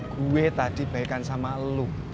gue tadi baikan sama loop